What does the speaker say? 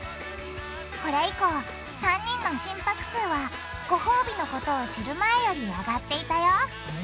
これ以降３人の心拍数はごほうびのことを知る前より上がっていたよ